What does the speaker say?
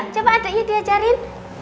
coba adiknya diajarin